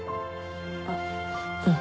あっうん。